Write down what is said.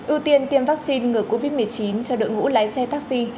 ưu tiên tiêm vaccine ngừa covid một mươi chín cho đội ngũ lái xe taxi